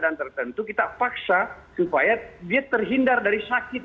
tertentu kita paksa supaya dia terhindar dari sakit